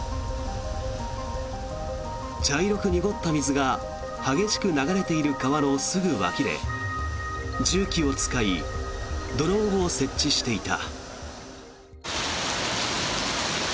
茶色く濁った水が激しく流れている川のすぐ脇で重機を使い土のうを設置していた。